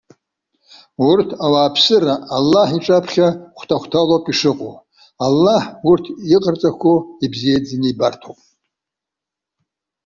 Урҭ ауааԥсыра Аллаҳ иҿаԥхьа хәҭа-хәҭалоуп ишыҟоу. Аллаҳ, урҭ иҟарҵақәо ибзиаӡаны ибарҭоуп.